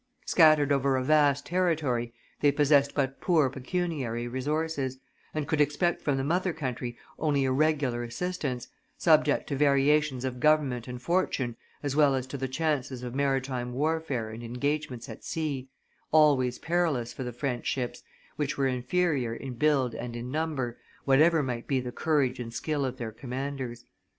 Scattered over a vast territory, they possessed but poor pecuniary resources, and could expect from the mother country only irregular assistance, subject to variations of gov ernment and fortune as well as to the chances of maritime warfare and engagements at sea, always perilous for the French ships, which were inferior in build and in number, whatever might be the courage and skill of their commanders.